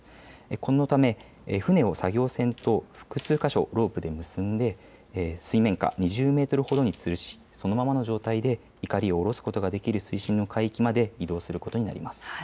このため船を作業船と複数箇所、ロープで結んで水面下２０メートルほどにつるしそのままの状態でいかりを下ろすことができる水深の海域まで移動することになります。